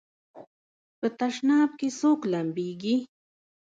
په تشناب کې څوک لمبېږي؟